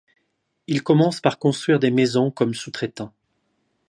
Ils commencent par construire des maisons comme sous-traitants.